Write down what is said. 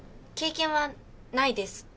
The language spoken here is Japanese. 経験はないです。